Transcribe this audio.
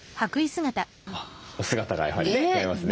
お姿がやはり違いますね。